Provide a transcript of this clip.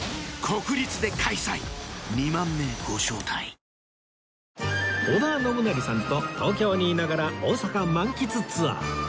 颯颯アサヒの緑茶「颯」織田信成さんと東京にいながら大阪満喫ツアー